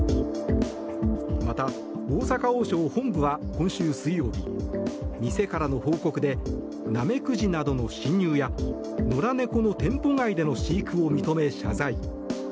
また、大阪王将本部は今週水曜日店からの報告でナメクジなどの侵入や野良猫の店舗内での飼育を認め謝罪。